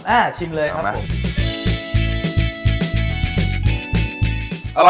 ชิมเลยครับผม